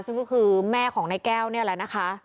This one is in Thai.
ซึ่งก็คือแม่ของนายแก้วนี่แหละนะคะ